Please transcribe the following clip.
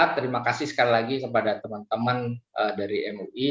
terima kasih sekali lagi kepada teman teman dari mui